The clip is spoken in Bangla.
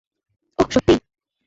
ওহ, সত্যিই?